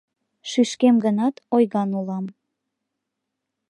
Шӱшкем гынат, ойган улам.